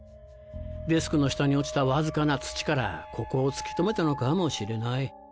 デスクの下に落ちたわずかな土からここを突き止めたのかもしれない。